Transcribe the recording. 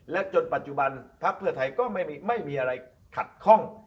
จนปัจจุบันพักเพื่อไทยก็ไม่มีอะไรขัดข้อง